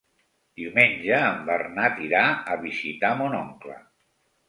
Diumenge en Bernat irà a visitar mon oncle.